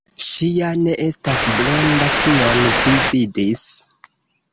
Ŝi ja ne estas blonda, tion vi vidis.